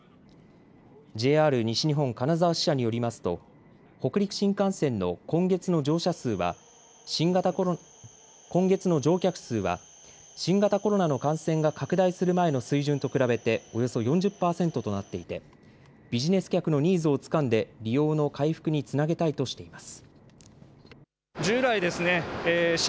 ＪＲ西日本金沢支社によりますと北陸新幹線の今月の乗客数は新型コロナの感染が拡大する前の水準と比べておよそ４０％となっていてビジネス客のニーズをつかんで利用の回復につなげたいとしています。